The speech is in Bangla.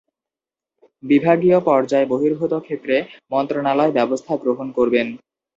বিভাগীয় পর্যায় বহির্ভূত ক্ষেত্রে মন্ত্রণালয় ব্যবস্থা গ্রহণ করবেন।